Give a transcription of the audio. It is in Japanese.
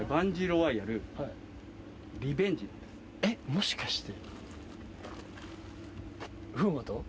もしかして。